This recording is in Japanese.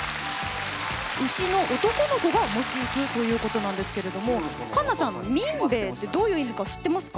牛の男の子がモチーフということなんですけれども環那ちゃん「みんべぇ」ってどういう意味か知ってますか？